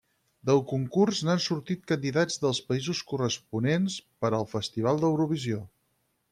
Del concurs n'han sortit candidats dels països corresponents per al festival d'Eurovisió.